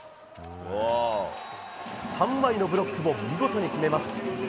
３枚のブロックも見事に決めます。